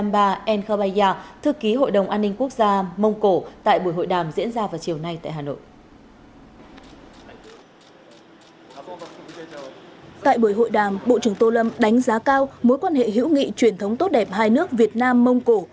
bộ trưởng tô lâm đánh giá cao mối quan hệ hữu nghị truyền thống tốt đẹp hai nước việt nam mông cổ